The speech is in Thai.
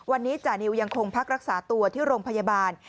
วันนี้จานิวยังคงพักรักษาตัวที่โรงพยาบาล